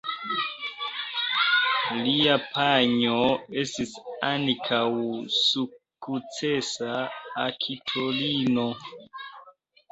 Lia panjo estis ankaŭ sukcesa aktorino.